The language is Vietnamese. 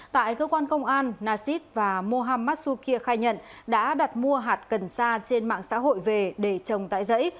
tại cơ quan công an nasid và mohammad sukir khai nhận đã đặt mua hạt cần sa trên mạng xã hội về để trồng tại giấy